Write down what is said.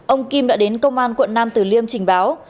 ông kim đã đến công an quận năm từ liêm trình báo